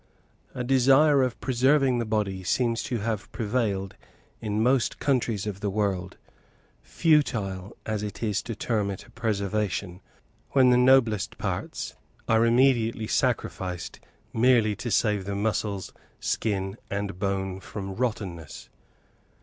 A desire of preserving the body seems to have prevailed in most countries of the world, futile as it is to term it a preservation, when the noblest parts are immediately sacrificed merely to save the muscles, skin, and bone from rottenness.